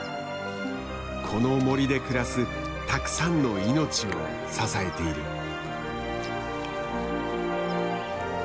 この森で暮らすたくさんの命を支えている。